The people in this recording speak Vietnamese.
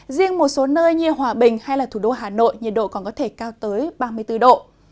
riêng một số nơi như hòa bình hay thủ đô hà nội nhiệt độ còn có thể cao tới ba mươi bốn độ